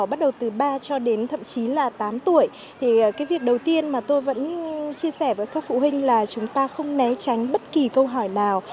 bắt đầu từ ba cho đến thậm chí là tám tuổi thì cái việc đầu tiên mà tôi vẫn chia sẻ với các phụ huynh là chúng ta không né tránh bất kỳ câu hỏi nào